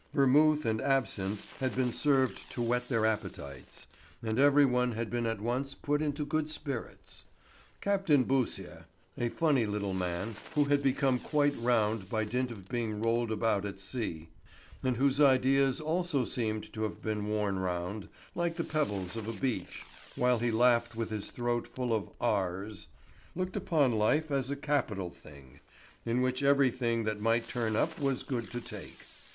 Vermouth and absinthe had been served to whet their appetites, and every one had been at once put into good spirits. Captain Beausire, a funny little man who had become quite round by dint of being rolled about at sea, and whose ideas also seemed to have been worn round, like the pebbles of a beach, while he laughed with his throat full of r's, looked upon life as a capital thing, in which everything that might turn up was good to take.